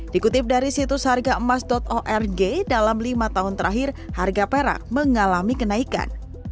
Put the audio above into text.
dikutip dari situs harga emas org dalam lima tahun terakhir harga perak mengalami kenaikan